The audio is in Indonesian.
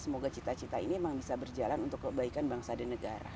semoga cita cita ini memang bisa berjalan untuk kebaikan bangsa dan negara